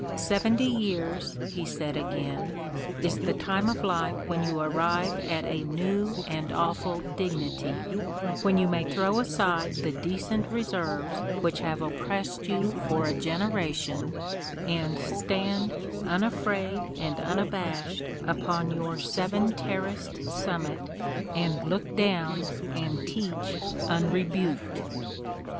Seventy years, he said again, is "the time of life when you arrive at a new and awful dignity ; when you may throw aside the decent reserves which have oppressed you for a generation, and stand unafraid and unabashed upon your seven terraced summit and look down and teach unrebuked."